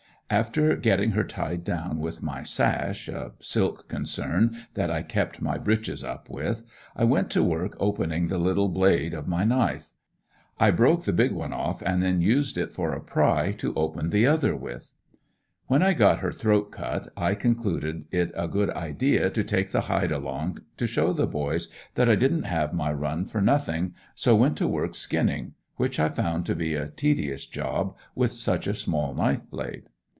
After getting her tied down with my "sash," a silk concern that I kept my breeches up with, I went to work opening the little blade of my knife. I broke the big one off and then used it for a pry to open the other with. When I got her throat cut I concluded it a good idea to take the hide along, to show the boys that I didn't have my run for nothing, so went to work skinning, which I found to be a tedious job with such a small knife blade.